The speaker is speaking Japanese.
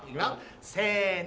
せの！